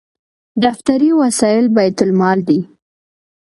دفتري وسایل بیت المال دي